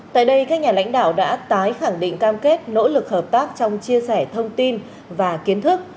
tại đây các nhà lãnh đạo đã tái khẳng định cam kết nỗ lực hợp tác trong chia sẻ thông tin và kiến thức